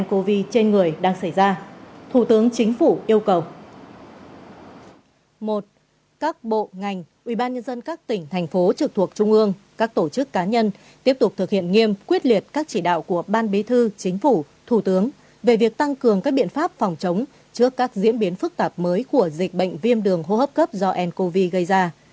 một các bộ ngành ubnd các tỉnh thành phố trực thuộc trung ương các tổ chức cá nhân tiếp tục thực hiện nghiêm quyết liệt các chỉ đạo của ban bế thư chính phủ thủ tướng về việc tăng cường các biện pháp phòng chống trước các diễn biến phức tạp mới của dịch bệnh viêm đường hô hấp cấp do ncov gây ra